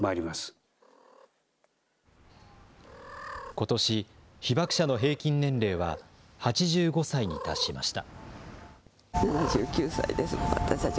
ことし、被爆者の平均年齢は８５歳に達しました。